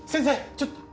ちょっと！